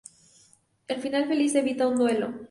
El final feliz evita un duelo.